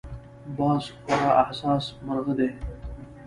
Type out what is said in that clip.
باز خورا حساس مرغه دی